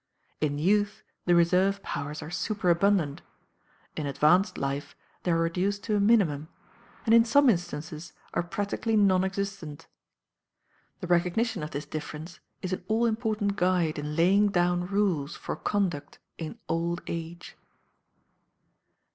In youth, the reserve powers are superabundant; in advanced life, they are reduced to a minimum, and in some instances are practically non existent. The recognition of this difference is an all important guide in laying down rules for conduct in old age.